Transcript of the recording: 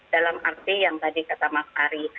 dalam arti yang tadi kata mas ari